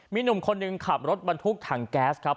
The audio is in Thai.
มีหนุ่มคนหนึ่งขับรถบรรทุกถังแก๊สครับ